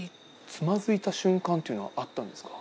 つまずいた瞬間っていうのはあったんですか？